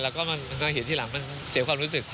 แล้วก็มันก็เห็นทีหลังมันเสียความรู้สึก